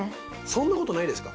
そんなことないです。